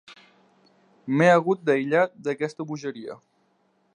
M'he hagut d'aïllar d'aquesta bogeria.